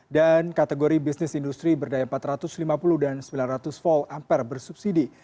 dan kategori bisnis industri berdaya empat ratus lima puluh dan sembilan ratus volt ampere bersubsidi